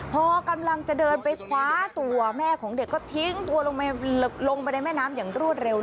พอกำลังจะเดินไปคว้าตัวแม่ของเด็กก็ทิ้งตัวลงไปในแม่น้ำอย่างรวดเร็ว